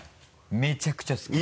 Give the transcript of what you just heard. めちゃくちゃ好き。